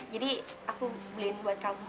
jadi aku beliin buat kamu